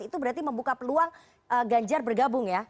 itu berarti membuka peluang ganjar bergabung ya